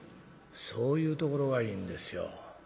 「そういうところがいいんですよ。